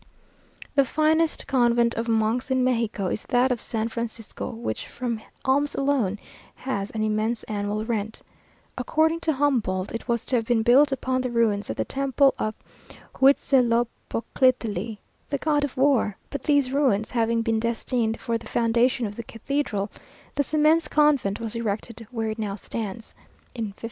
The finest convent of monks in Mexico is that of San Francisco, which from alms alone has an immense annual rent. According to Humboldt, it was to have been built upon the ruins of the temple of Huitzilopoclitli, the god of war; but these ruins having been destined for the foundation of the cathedral, this immense convent was erected where it now stands, in 1531.